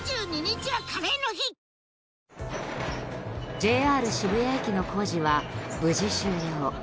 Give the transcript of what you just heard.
ＪＲ渋谷駅の工事は無事、終了。